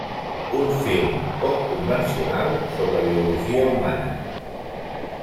Un film poc convencional sobre Biologia humana.